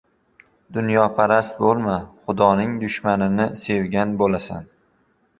— Dunyoparast bo‘lma, Xudoning dushmanini sevgan bo‘lasan.